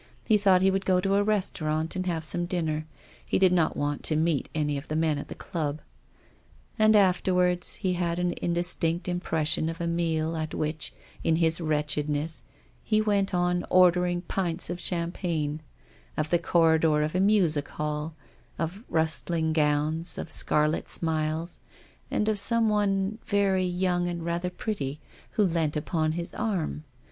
He thought he would go to a restaurant and have some dinner ; he did not want to meet any of the men at the club. And after ward, he had an indistinct im pression of a dinner at which in his wretch edness he went on ordering half pints of champagne, of the couloir of a music hall, of rustling gowns, of scarlet smiles, and of some one, very young and rather pretty, who leant upon his arm.